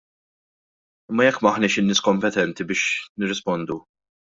Imma jekk m'aħniex in-nies kompetenti biex nirrispondu.